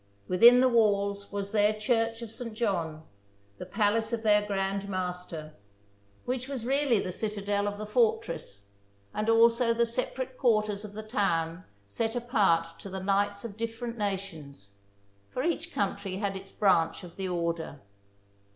Within the walls was their Church of St. John, the palace of their Grand Master, which was really the citadel of the fortress, and also the separate quarters of the town set apart to the knights of different nations, for each country had its branch of the order.